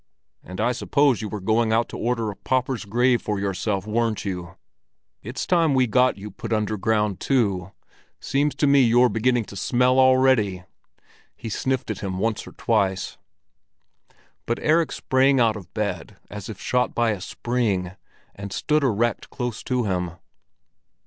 And I suppose you were going out to order a pauper's grave for yourself, weren't you? It's time we got you put underground, too; seems to me you're beginning to smell already!" He sniffed at him once or twice. But Erik sprang out of bed as if shot by a spring, and stood erect close to him.